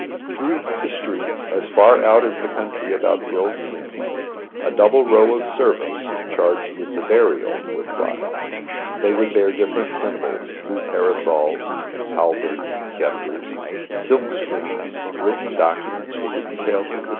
Through the streets, as far out as the country about the old tomb, a double row of servants, charged with the burial, would file. They would bear different symbols, — blue parasols, halberds, sceptres, silk screens, written documents with the details of the.